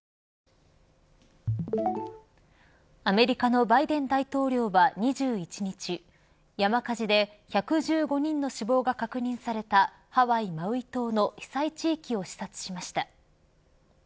アメリカのバイデン大統領は２１日山火事で１１５人の死亡が確認されたハワイ・マウイ島の被災地域を視察しました。